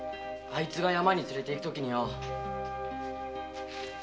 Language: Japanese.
あいつが山に連れて行くときによ